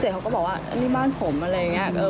เขาก็บอกว่านี่บ้านผมอะไรอย่างนี้